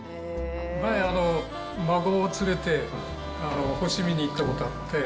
前、孫を連れて星見に行ったことがあって。